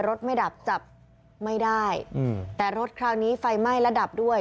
รถไม่ดับจับไม่ได้อืมแต่รถคราวนี้ไฟไหม้และดับด้วย